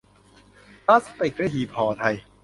พลาสติค และหีบห่อไทย